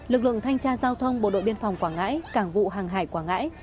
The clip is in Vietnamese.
lực lượng thanh tra giao thông bộ đội biên phòng quảng ngãi cảng vụ hàng hải quảng ngãi